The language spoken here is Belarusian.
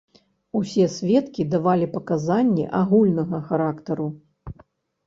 Усе сведкі давалі паказанні агульнага характару.